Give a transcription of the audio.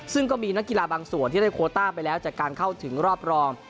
ซึ่งก็มีนักกีฬาบางส่วนที่ได้โคต้าไปแล้วจากการเข้าถึงรอบรอง